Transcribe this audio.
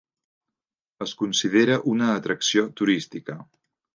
Es considera una atracció turística.